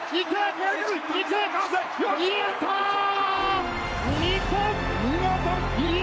やったー！